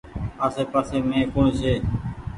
آسي پآسي مين ڪوڻ ڇي۔